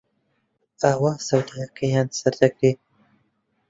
ئاوا سەوداکەیان سەردەگرێ